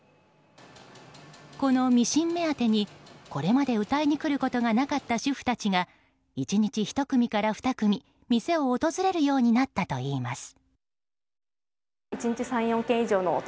このミシン目当てに、これまで歌いに来ることがなかった主婦たちが１日１組から２組店を訪れるようになったといいます。